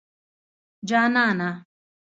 جانانه